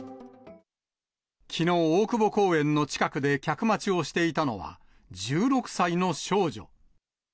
きのう、大久保公園の近くで客待ちをしていたのは、１６歳の少女。